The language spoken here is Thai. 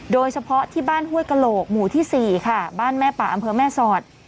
โดยเฉพาะที่บ้านห้วยกระโหลกหมู่ที่๔ค่ะบ้านแม่ป่าอำเภอแม่สอด